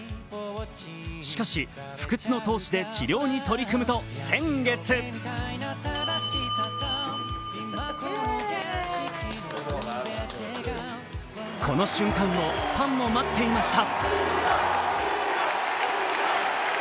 しかし、不屈の闘志で治療に取り組むと先月この瞬間をファンも待っていました。